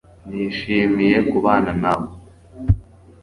Nishimiye kubana nawe